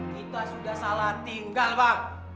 kita sudah salah tinggal pak